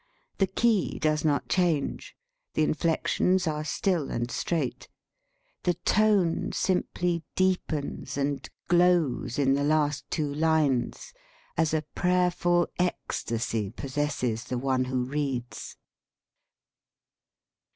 The key does not change. The inflections are still and straight. The tone simply deepens and glows in the last two lines, as a prayerful ecstasy possesses the one who reads.